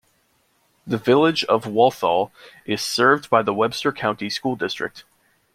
The Village of Walthall is served by the Webster County School District.